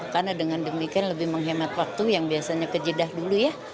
karena dengan demikian lebih menghemat waktu yang biasanya ke jeddah dulu ya